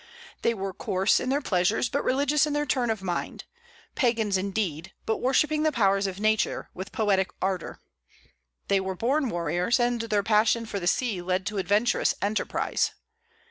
They were coarse in their pleasures, but religious in their turn of mind; Pagans, indeed, but worshipping the powers of Nature with poetic ardor. They were born warriors, and their passion for the sea led to adventurous enterprise.